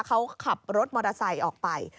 เขาขับรถมอเตอร์ไซค์ออกไป